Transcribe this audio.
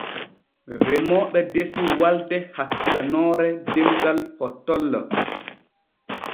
Remooɓe desi walde hakkilanoore demgal hottollo.